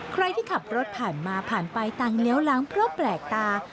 ใครที่ขับรถผ่านมาผ่านไปต่างเลี้ยวล้างเพราะแปลกตา